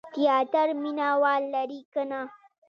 تیاتر مینه وال لري که نه؟